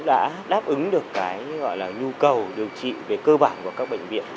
đã đáp ứng được cái gọi là nhu cầu điều trị về cơ bản của các bệnh viện